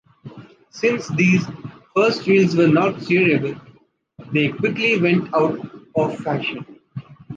Since these first wheels were not steerable, they quickly went out of fashion.